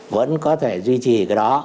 vẫn có thể duy trì cái đó